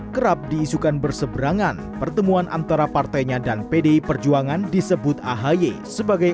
kerap diisukan berseberangan pertemuan antara partainya dan pdi perjuangan disebut ahi sebagai